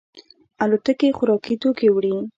الوتکې خوراکي توکي وړي.